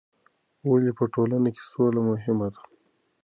ولې په ټولنه کې سوله مهمه ده؟